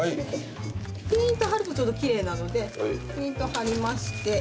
ピーンと張るとちょうどキレイなのでピーンと張りまして。